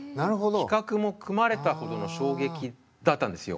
企画も組まれたほどの衝撃だったんですよ。